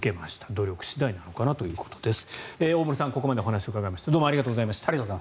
努力次第なのかなということです。